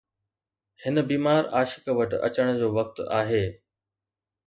هن بيمار عاشق وٽ اچڻ جو وقت آهي